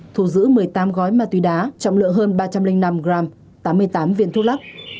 thu giữ một mươi tám gói ma túy đá trọng lượng hơn ba trăm linh năm g tám mươi tám viên thuốc lắc